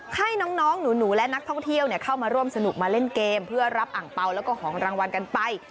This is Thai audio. ให้น้องหนูและนักท่องเที่ยวเข้ามาร่วมสนุกมาเล่นเกมเพื่อรับอังเปล่าแล้วก็ของรางวัลกันไป